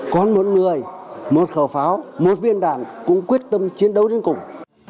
còn một người một khẩu pháo một viên đạn cũng quyết tâm chiến đấu đến cùng